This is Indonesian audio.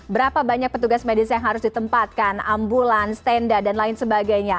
berapa banyak petugas medis yang harus ditempatkan ambulans tenda dan lain sebagainya